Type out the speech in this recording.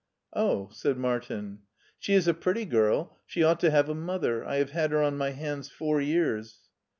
"Oh! "said Martin. " She is a pretty girl ; she ought to have a mother. I have had her on my hands four years."